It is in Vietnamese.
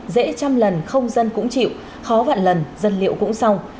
dễ trăm lần không dân cũng chịu khó vạn lần dân liệu cũng xong